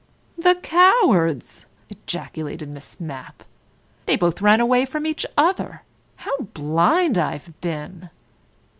"The cowards!" ejaculated Miss Mapp. "They both ran away from each other! How blind I've been!"